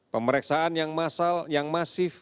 pemeriksaan yang masif